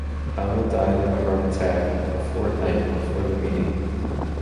Powell died of a heart attack a fortnight before the meeting.